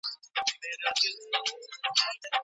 ګونګیان ډاکټر سره څنګه خبرې کوي؟